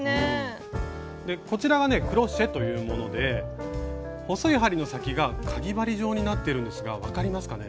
こちらがねクロシェというもので細い針の先がかぎ針状になっているんですが分かりますかね？